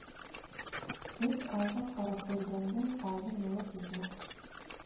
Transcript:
Эт айға ҡарап өргәндән, айҙың нуры китмәҫ.